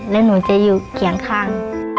แล้วหนูจะอยู่เคียงข้าง